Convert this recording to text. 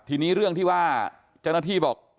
ทีนี้เรื่องที่ว่าเจ้าหน้าที่บอก